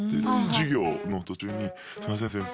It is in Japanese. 授業の途中に「すいません先生